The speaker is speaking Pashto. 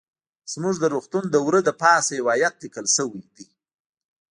زموږ د روغتون د وره د پاسه يو ايت ليکل شوى ديه.